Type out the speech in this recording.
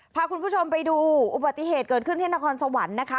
พาคุณผู้ชมไปดูอุบัติเหตุเกิดขึ้นที่นครสวรรค์นะคะ